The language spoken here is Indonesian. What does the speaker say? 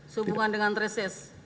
sehubungan dengan reses